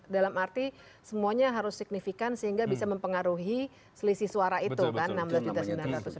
dalam arti semuanya harus signifikan sehingga bisa mempengaruhi selisih suara itu kan rp enam belas sembilan ratus